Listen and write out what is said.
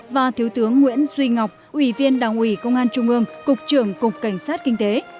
và thiếu tướng nguyễn duy ngọc ủy viên đảng ủy công an trung ương cục trưởng cục cảnh sát kinh tế